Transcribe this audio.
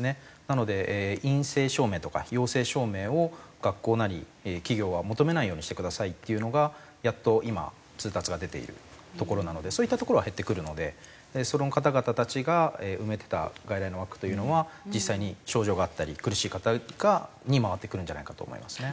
なので陰性証明とか陽性証明を学校なり企業は求めないようにしてくださいっていうのがやっと今通達が出ているところなのでそういったところは減ってくるのでその方々たちが埋めてた外来の枠というのは実際に症状があったり苦しい方に回ってくるんじゃないかと思いますね。